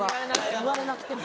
言われなくても。